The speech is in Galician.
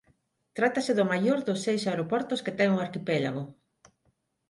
Trátase do maior dos seis aeroportos que ten o arquipélago.